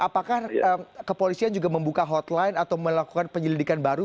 apakah kepolisian juga membuka hotline atau melakukan penyelidikan baru